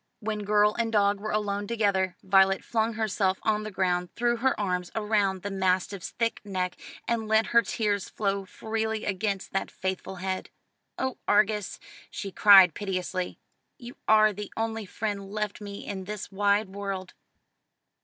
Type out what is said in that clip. When girl and dog were alone together, Violet flung herself on the ground, threw her arms round the mastiff's thick neck, and let her tears flow freely against that faithful head. "Oh, Argus," she cried piteously, "you are the only friend left me in this wide world!"